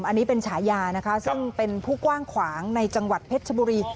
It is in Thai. อันนี้เป็นฉายานะคะซึ่งเป็นผู้กว้างขวางในจังหวัดเพชรชบุรี